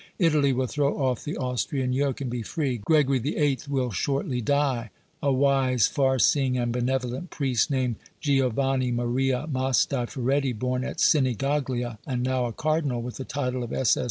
Italy will throw off the Austrian yoke and be free. Gregory XVIII. will shortly die. A wise, far seeing and benevolent priest, named Giovanni Maria Mastai Ferretti, born at Sinigaglia, and now a cardinal, with the title of SS.